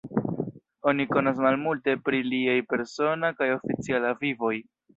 Oni konas malmulte pri liaj persona kaj oficiala vivoj.